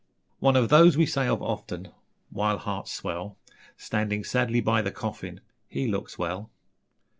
..... One of those we say of often, While hearts swell, Standing sadly by the coffin: 'He looks well.'